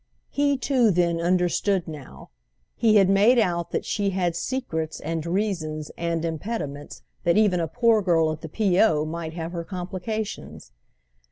He too then understood now: he had made out that she had secrets and reasons and impediments, that even a poor girl at the P.O. might have her complications.